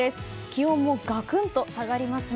気温もがくんと下がります。